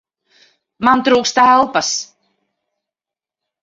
Man trūkst elpas!